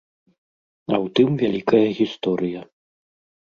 А ў тым вялікая гісторыя.